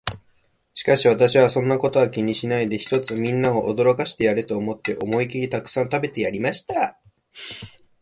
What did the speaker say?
しかし私は、そんなことは気にしないで、ひとつみんなを驚かしてやれと思って、思いきりたくさん食べてやりました。